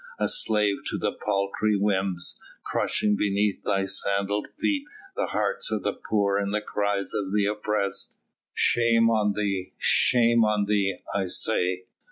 a slave to thy paltry whims, crushing beneath thy sandalled feet the hearts of the poor and the cries of the oppressed! Shame on thee! shame on thee, I say!"